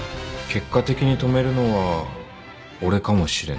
結果的に止めるのは俺かもしれんね